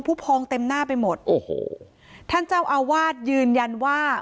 ผู้พองเต็มหน้าไปหมดโอ้โหท่านเจ้าอาวาสยืนยันว่า